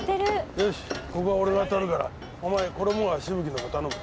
よしここは俺が当たるからお前衣川しぶきのほう頼む。